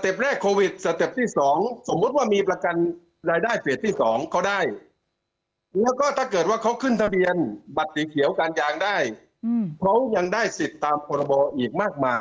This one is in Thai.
เต็ปแรกโควิดสเต็ปที่๒สมมุติว่ามีประกันรายได้เฟสที่๒เขาได้แล้วก็ถ้าเกิดว่าเขาขึ้นทะเบียนบัตรสีเขียวการยางได้เขายังได้สิทธิ์ตามพรบอีกมากมาย